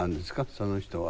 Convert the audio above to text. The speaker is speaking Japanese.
その人は。